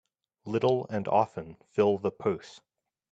Little and often fill the purse.